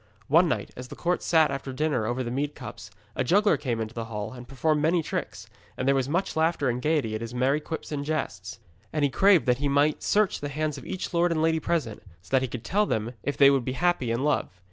One night, as the court sat after dinner over the mead cups, a juggler came into the hall and performed many tricks, and there was much laughter and gaiety at his merry quips and jests. And he craved that he might search the hands of each lord and lady present, so that he could tell them if they would be happy in love.